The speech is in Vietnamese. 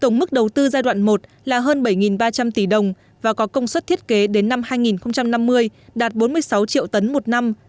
tổng mức đầu tư giai đoạn một là hơn bảy ba trăm linh tỷ đồng và có công suất thiết kế đến năm hai nghìn năm mươi đạt bốn mươi sáu triệu tấn một năm